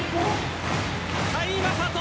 甲斐優斗